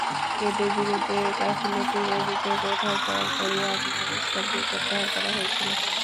এঁদের বিরুদ্ধে গাফিলতির অভিযোগ ওঠার পরপরই আমিনুল ইসলামকে প্রত্যাহার করা হয়েছিল।